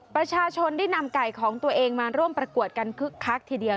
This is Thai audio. ประชาชนได้นำไก่ของตัวเองมาร่วมประกวดกันคึกคักทีเดียว